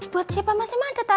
buat siapa masnya maja tam